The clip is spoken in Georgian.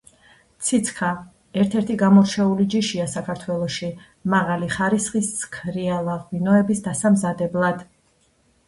ციცქა ერთ-ერთი გამორჩეული ჯიშია საქართველოში მაღალი ხარისხის ცქრიალა ღვინოების დასამზადებლად.